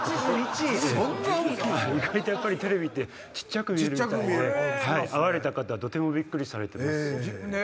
意外とテレビって小っちゃく見えるみたいで会われた方はとてもビックリされてますね。